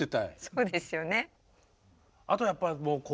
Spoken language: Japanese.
そうですよね。